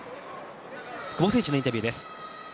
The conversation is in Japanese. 久保選手のインタビューです。